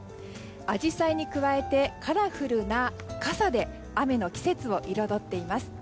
アジサイに加えてカラフルな傘で雨の季節を彩っています。